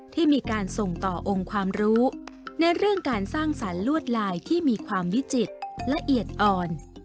ที่มีการส่งต่อองค์ความรู้ในเรื่องการสร้างสรรค์ลวดลายที่มีความวิจิตรละเอียดอ่อน